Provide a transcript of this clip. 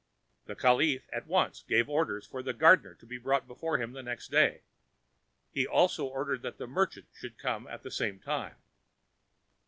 The caliph at once gave orders for the gardener to be brought before him the next day. He also ordered that the merchant should come at the same time.